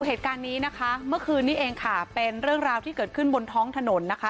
เหตุการณ์นี้นะคะเมื่อคืนนี้เองค่ะเป็นเรื่องราวที่เกิดขึ้นบนท้องถนนนะคะ